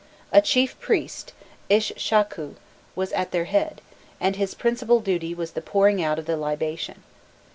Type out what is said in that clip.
A chief priest "ishshakku" was at their head, and his principal duty was the pouring out of the libation.